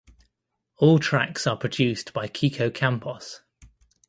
All tracks are produced by Kiko Campos.